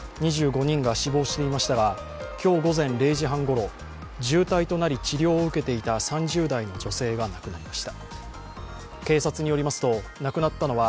２５人が死亡していましたが、今日午前０時半ごろ、重体となり治療を受けていた３０代の女性が亡くなりました。